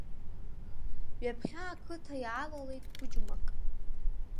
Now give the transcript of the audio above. Ҩаԥхьа ақыҭа иаалалеит қәыџьмак!